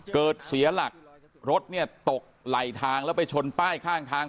เกิดเสียหลักรถเนี่ยตกไหลทางแล้วไปชนป้ายข้างทาง